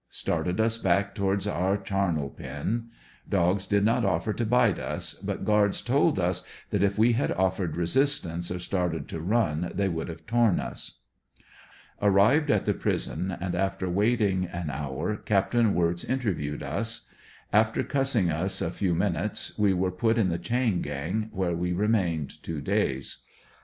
Started us back towards our charnel pen. Dogs did not offer to bite us, but guards told us that if we had offered resistance or started to run they would have torn us. Arrived at the prison and after waiting au hour Capt. Wirtz interviewed us. After cussing us a few minutes we were put in the chain ^ang, where we remained two days.